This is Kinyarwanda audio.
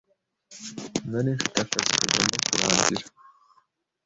Nari mfite akazi kagomba kurangira.